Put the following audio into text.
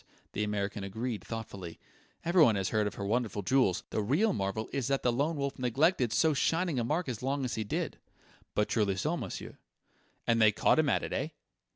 the American agreed thoughtfully. "Everyone has heard of her wonderful jewels. The real marvel is that the Lone Wolf neglected so shining a mark as long as he did." "But truly so, monsieur!" "And they caught him at it, eh?"